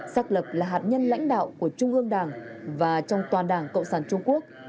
xác lập là hạt nhân lãnh đạo của trung ương đảng và trong toàn đảng cộng sản trung quốc